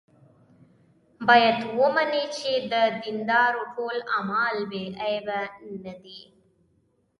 باید ومني چې د دیندارو ټول اعمال بې عیبه نه دي.